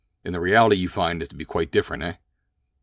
"And the reality you find to be quite different, eh?"